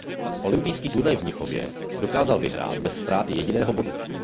Olympijský turnaj v Mnichově dokázal vyhrát bez ztráty jediného bodu.